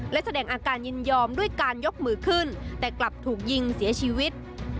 และแสดงอาการยินยอมด้วยการยกมือขึ้นแต่กลับถูกยิงเสียชีวิต